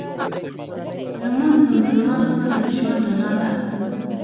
لمونځ د مسلمان لپاره د ژوند رڼا ده